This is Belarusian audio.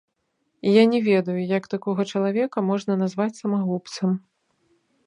Я не ведаю, як такога чалавека можна назваць самагубцам.